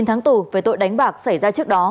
chín tháng tù về tội đánh bạc xảy ra trước đó